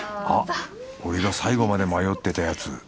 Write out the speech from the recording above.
あっ俺が最後まで迷ってたやつ